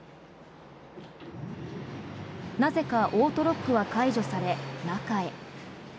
なぜかオートロックは解除され中へ。